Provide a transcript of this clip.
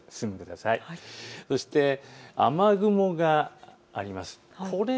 そして雨雲があります。